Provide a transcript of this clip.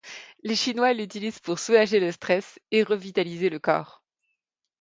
Les Chinois l'utilisent pour soulager le stress et revitaliser le corps.